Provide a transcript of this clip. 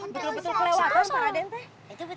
betul betul kelewat kan pak aden tadi